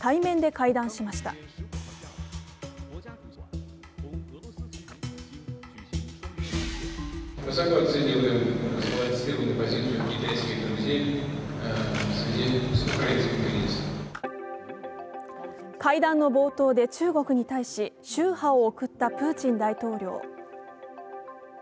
会談の冒頭で、中国に対し秋波を送ったプーチン大統領。